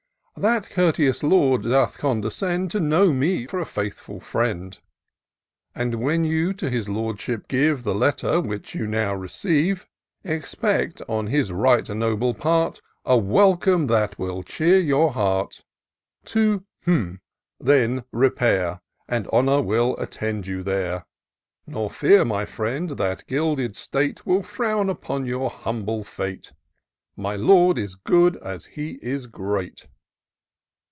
That courteous Lord doth condescend To know me for a faithful friend ; And, when you to his Lordship give The letter which you now receive. Expect, on his right noble part, A welcome that will cheer your heart. To ..,.,.,... then repair. And Honour will attend you there. Nor fear, my friend, that gilded state Will frown upon your humble fate : My Lord is good as he is great."